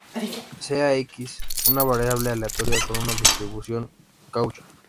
Sea "X" una variable aleatoria con una distribución Cauchy.